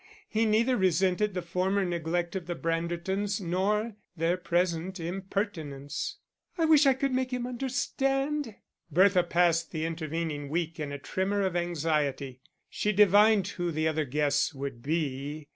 He neither resented the former neglect of the Brandertons nor their present impertinence. "I wish I could make him understand." Bertha passed the intervening week in a tremor of anxiety. She divined who the other guests would be.